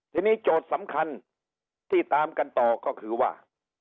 ทีนี้โจทย์สำคัญที่ตามกันต่อก็คือว่า